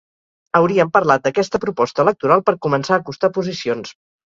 Haurien parlat d’aquesta proposta electoral per començar a acostar posicions.